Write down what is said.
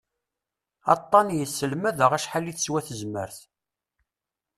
Aṭṭan yesselmad-aɣ acḥal i teswa tezmert.